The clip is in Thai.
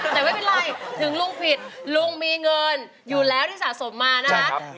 แต่ไม่เป็นไรถึงลุงผิดลุงมีเงินอยู่แล้วที่สะสมมานะครับ